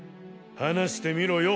話してみろよ。